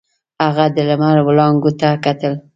هغه د لمر وړانګو ته کتل.